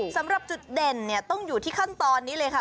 สำหรับจุดเด่นต้องอยู่ที่ขั้นตอนนี้เลยค่ะ